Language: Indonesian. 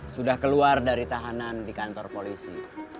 sudah keluar dari tahanan di kantor polisi